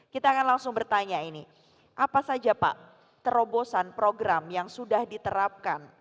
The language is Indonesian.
kita akan langsung bertanya ini apa saja pak terobosan program yang sudah diterapkan